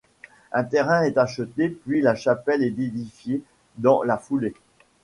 Un terrain est acheté puis la chapelle est édifiée dans la foulée.